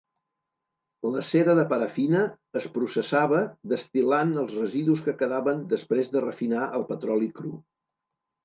La cera de parafina es processava destil·lant els residus que quedaven després de refinar el petroli cru.